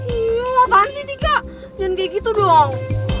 iya apaan sih tika jangan kayak gitu dong